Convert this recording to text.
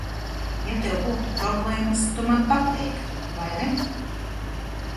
Ja tev būtu problēmas, tu man pateiktu, vai ne?